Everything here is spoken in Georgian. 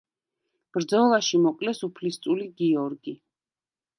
ბრძოლაში მოკლეს უფლისწული გიორგი.